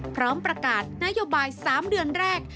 พร้อมประกาศนโยบาย๓เดือนแรก